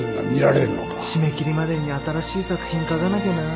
締め切りまでに新しい作品書かなきゃな。